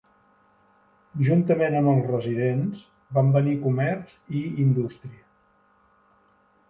Juntament amb els residents van venir comerç i indústria.